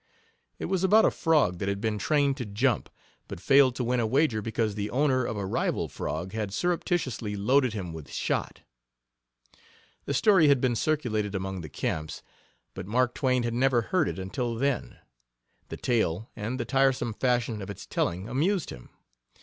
It was about a frog that had been trained to jump, but failed to win a wager because the owner of a rival frog had surreptitiously loaded him with shot. The story had been circulated among the camps, but Mark Twain had never heard it until then. The tale and the tiresome fashion of its telling amused him.